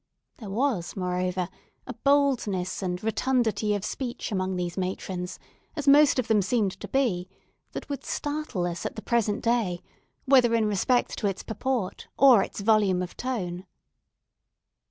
There was, moreover, a boldness and rotundity of speech among these matrons, as most of them seemed to be, that would startle us at the present day, whether in respect to its purport or its volume of tone.